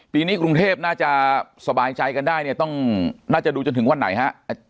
ปีนี้กรุงเทพน่าจะสบายใจกันได้เนี่ยต้องน่าจะดูจนถึงวันไหนฮะ